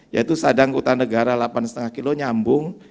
yaitu sadang utanegara delapan lima km nyambung